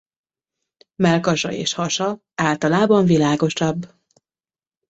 Mellkasa és hasa általában világosabb.